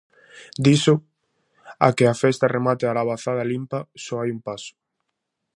Diso, a que a festa remate a labazada limpa, só hai un paso.